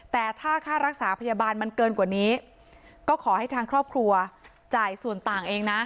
แต่ถ้าค่ารักษาพยาบาลมันเกินกว่านี้ก็ขอให้ทางครอบครัวจ่ายส่วนต่างเองนะ